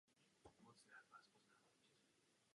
Za Plzeň v základní skupině Evropské ligy odehrál tři utkání.